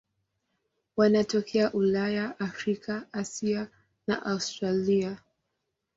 Wanatokea Ulaya, Afrika, Asia na Australia.